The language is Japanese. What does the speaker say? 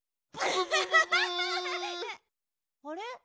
あれ？